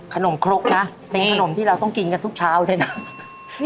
ครกนะเป็นขนมที่เราต้องกินกันทุกเช้าเลยนะ